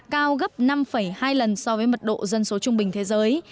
cao gấp năm hai lần so với mật độ dân số trung bình thế giới